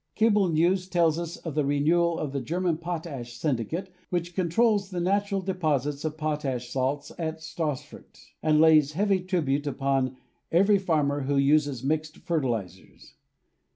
Cable news tells us of the renewal of the German potash syndicate which con trols the natural deposits of potash salts at Stassfurt and lays heavy tribute upon every farmer who uses mixed fertilizers.